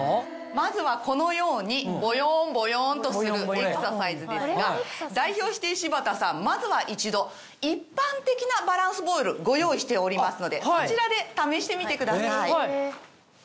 まずはこのようにボヨンボヨンとするエクササイズですが代表して柴田さんまずは一度一般的なバランスボールご用意しておりますのでそちらで試してみてください。